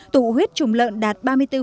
tụ huyết trùng lợn đạt ba mươi bốn sáu